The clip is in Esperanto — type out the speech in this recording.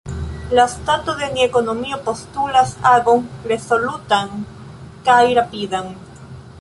La stato de nia ekonomio postulas agon, rezolutan kaj rapidan.